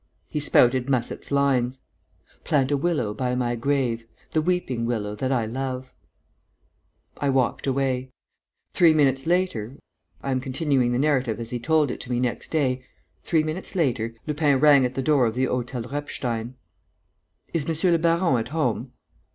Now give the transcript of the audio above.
He spouted Musset's lines: "Plant a willow by my grave, The weeping willow that I love...." I walked away. Three minutes later I am continuing the narrative as he told it to me next day three minutes later, Lupin rang at the door of the Hôtel Repstein. "Is monsieur le baron at home?"